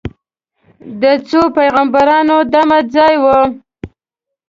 د څو پیغمبرانو دمه ځای و.